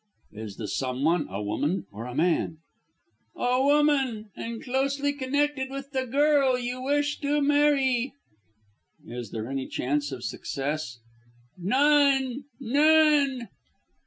"Is the someone a woman or a man?" "A woman, and closely connected with the girl you wish to marry." "Is there any chance of success?" "None! none!"